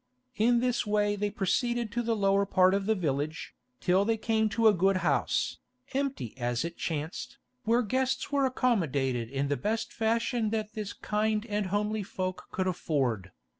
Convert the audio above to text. In this way they proceeded to the lower part of the village, till they came to a good house—empty as it chanced—where guests were accommodated in the best fashion that this kind and homely folk could afford.